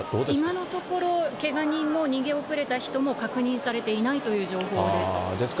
今のところ、けが人も逃げ遅れた人も確認されていないという情報です。